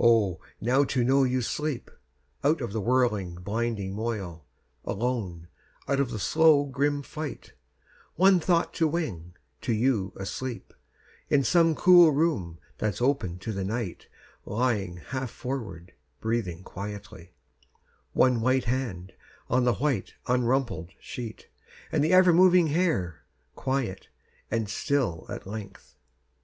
Oh, now to know you sleep! Out of the whirling blinding moil, alone, Out of the slow grim fight, One thought to wing to you, asleep, In some cool room that's open to the night Lying half forward, breathing quietly, One white hand on the white Unrumpled sheet, and the ever moving hair Quiet and still at length!